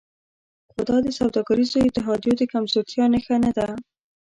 خو دا د سوداګریزو اتحادیو د کمزورتیا نښه نه ده